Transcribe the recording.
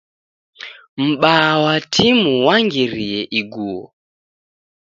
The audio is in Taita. M'baa wa timu wangirie iguo